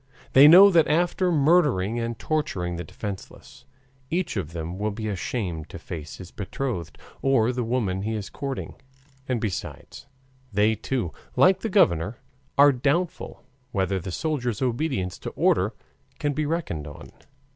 They know that after murdering and torturing the defenseless, each of them will be ashamed to face his betrothed or the woman he is courting. And besides, they too, like the governor, are doubtful whether the soldiers' obedience to orders can be reckoned on.